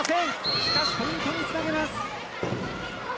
しかし、ポイントにつなげます。